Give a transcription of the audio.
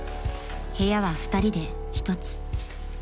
［部屋は２人で一つ］